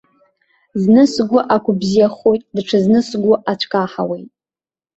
Зны сгәы ақәыбзиахоит, даҽазны сгәы ацәкаҳауеит.